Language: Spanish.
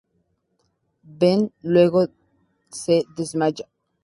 Ben luego se desmaya.